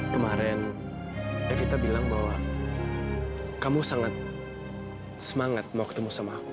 kemarin evita bilang bahwa kamu sangat semangat mau ketemu sama aku